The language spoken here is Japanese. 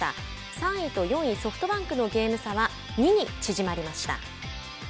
３位と４位ソフトバンクのゲーム差は２に縮まりました。